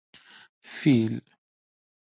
🐘 فېل